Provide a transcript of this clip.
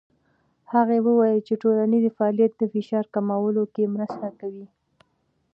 هغه وویل چې ټولنیز فعالیت د فشار کمولو کې مرسته کوي.